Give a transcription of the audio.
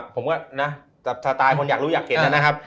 ผมก็นะกับสไตล์คนอยากรู้อยากเห็นนะครับ